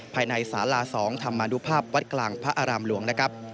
ภายในศาลา๒ธรรมาณุภาพวัดกลางพระอารามหลวง